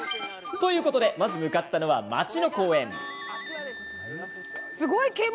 ということでまず向かったのは町の公園。